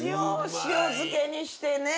塩漬けにしてね。